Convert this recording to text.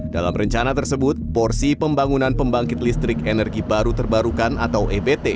dalam rencana tersebut porsi pembangunan pembangkit listrik energi baru terbarukan atau ebt